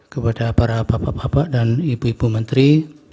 kepada para bapak bapak dan ibu ibu menteri